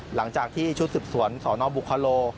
หลังจากที่ชุดสืบสวนสนบุคโล